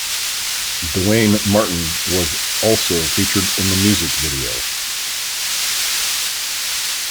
Duane Martin was also featured in the music video.